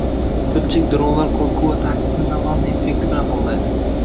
Ko'pchilik dronlar qo'rquv va taqiqni Navalniy effekti bilan bog'laydi